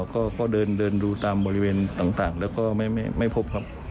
ก็เดินดูตามบริเวณต่างแล้วก็ไม่พบครับ